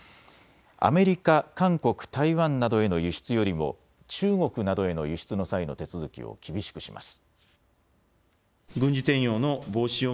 アメリカ、韓国、台湾などへの輸出よりも中国などへの輸出の際の手続きを厳しくします。